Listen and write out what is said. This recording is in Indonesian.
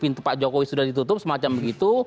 pintu pak jokowi sudah ditutup semacam begitu